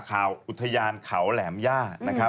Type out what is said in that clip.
อุทยานเขาแหลมย่านะครับ